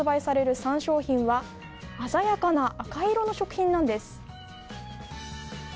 ３商品は鮮やかな赤色の食品なんです。